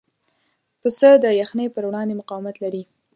پسه د یخنۍ پر وړاندې مقاومت لري.